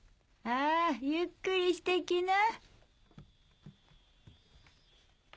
ああゆっくりしてきな。